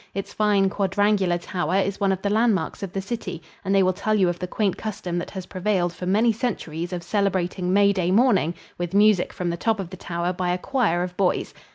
Its fine quadrangular tower is one of the landmarks of the city, and they will tell you of the quaint custom that has prevailed for many centuries of celebrating May Day morning with music from the top of the tower by a choir of boys.